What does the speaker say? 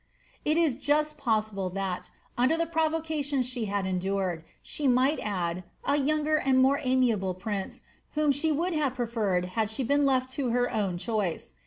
^ It is just possible, that, imder the provocations she had endured, she might add, a younger and more amiable prince, whom she would have preferred had she b«en left to her own choice.